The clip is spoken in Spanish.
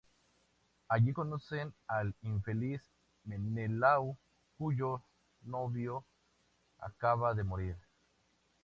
Allí conocen al infeliz Menelao cuyo novio acaba de morir.